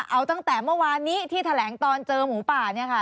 เอาตั้งแต่เมื่อวานนี้ที่แถลงตอนเจอหมูป่าเนี่ยค่ะ